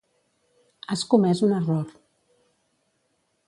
Has comès un error.